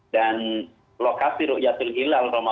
dan lokasi rukyatul hilal ramadan